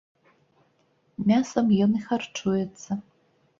Мясам ён і харчуецца.